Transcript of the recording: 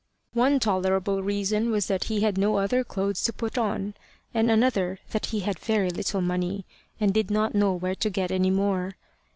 One tolerable reason was that he had no other clothes to put on, and another that he had very little money, and did not know where to get any more.